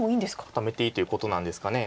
固めていいということなんですかね。